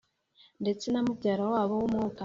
ndetse na mubyara wabo w’umwaka